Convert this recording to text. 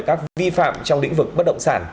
các vi phạm trong lĩnh vực bất động sản